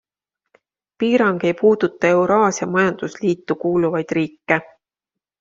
Piirang ei puuduta Euraasia majandusliitu kuuluvaid riike.